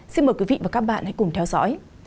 xin mời quý vị và các bạn hãy cùng theo dõi